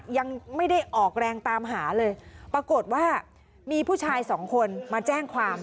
ยังไม่ได้ออกแรงตามหาเลยปรากฏว่ามีผู้ชายสองคนมาแจ้งความ